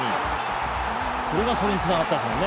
それがこれにつながったんですよね。